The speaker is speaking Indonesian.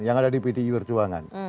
yang ada di pdi perjuangan